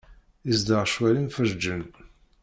Izdeɣ ccwal imferrǧen.